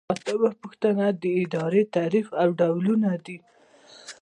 اتمه پوښتنه د ادارې تعریف او ډولونه دي.